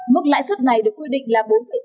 mức lãi suất này được quy định là